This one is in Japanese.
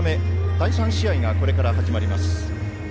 第３試合が、これから始まります。